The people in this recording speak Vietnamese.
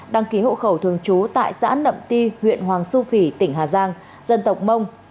đăng ký hộ khẩu thường trú tại xã nậm ti huyện hoàng su phi tỉnh hà giang dân tộc mông